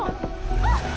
あっ！